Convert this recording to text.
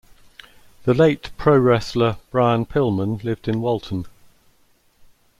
The late pro wrestler Brian Pillman lived in Walton.